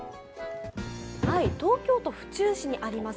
東京都府中市にあります